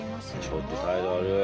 ちょっと態度悪い。